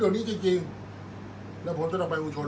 อันไหนที่มันไม่จริงแล้วอาจารย์อยากพูด